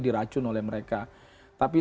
diracun oleh mereka tapi